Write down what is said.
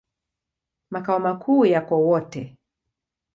Makao makuu yako Wote.